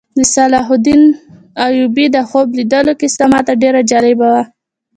د سلطان صلاح الدین ایوبي د خوب لیدلو کیسه ماته ډېره جالبه وه.